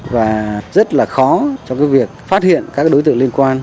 và rất là khó cho cái việc phát hiện các đối tượng liên quan